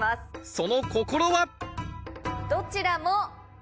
その心は？